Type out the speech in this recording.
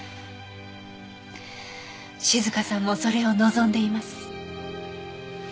静香さんもそれを望んでいます。